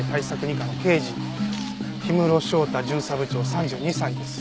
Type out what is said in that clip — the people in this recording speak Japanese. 二課の刑事氷室翔太巡査部長３２歳です。